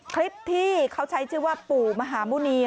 คลิปที่เขาใช้ชื่อว่าปู่มหาหมุณี